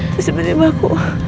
terus menimpa aku